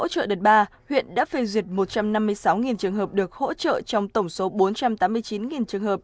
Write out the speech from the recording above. trong tổng số bốn trăm tám mươi chín trường hợp